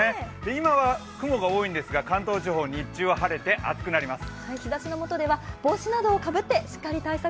今は雲が多いんですが、関東地方日中は晴れて暑くなります。